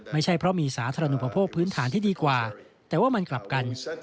ไม่ใช่เพราะมีสาธารณูปโภคพื้นฐานที่ดีกว่าแต่ว่ามันกลับกัน